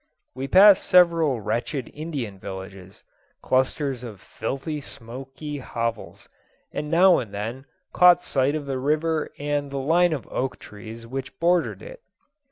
We passed several wretched Indian villages clusters of filthy smoky hovels, and now and then caught sight of the river and the line of oak trees which bordered it.